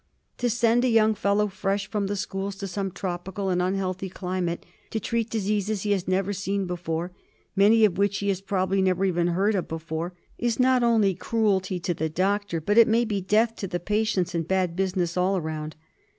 To send a young fellow fresh from the schools to some tropical and unhealthy climate to treat diseases he has never seen before, many of which he has probably never even heard of before, is not only cruelty to the doctor, but it may be death to the patients and bad business all around.